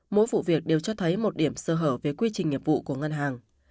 mỗi vụ việc đều cho thấy một điểm sơ hở về quy trình nghiệp vụ của ngân hàng